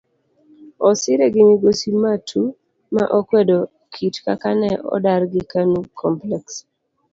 Osire gi migosi Matuu ma okwedo kit kaka ne odargi kanu complex.